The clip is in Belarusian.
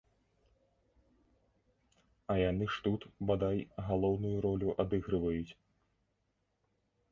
А яны ж тут, бадай, галоўную ролю адыгрываюць.